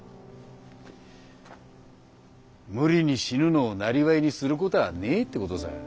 無理に死ぬのを生業にするこたぁねえってことさ。